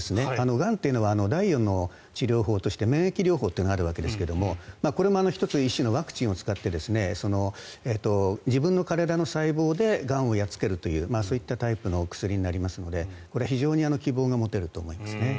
がんというのは第４の治療法として免疫療法がありますがこれも１つ一種のワクチンを使って自分の彼らの細胞でがんをやっつけるというそういったタイプの薬になりますのでこれは非常に希望が持てると思いますね。